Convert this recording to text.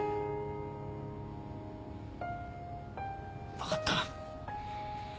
分かった